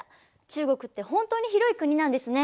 中国って本当に広い国なんですね。